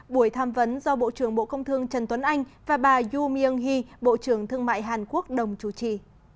buổi tham vấn do bộ trưởng bộ công thương trần tuấn anh và bà yu myung hee bộ trưởng thương mại hàn quốc đồng chủ trì